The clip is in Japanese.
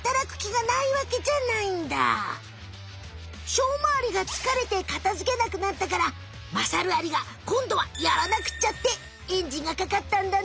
しょうまアリが疲れて片づけなくなったからまさるアリがこんどはやらなくっちゃってエンジンがかかったんだね。